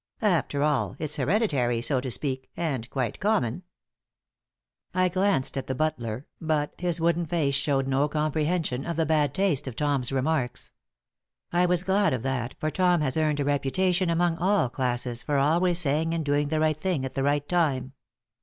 After all, it's hereditary, so to speak, and quite common." I glanced at the butler, but his wooden face showed no comprehension of the bad taste of Tom's remarks. I was glad of that, for Tom has earned a reputation among all classes for always saying and doing the right thing at the right time.